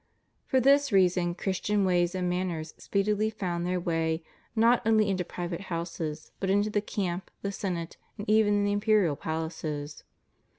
For this reason Christian ways and manners speedily found their way not only into private houses but into the camp, the senate, and even into the imperial palaces.